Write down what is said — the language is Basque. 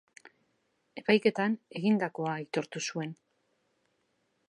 Epaiketan egindakoa aitortu zuen.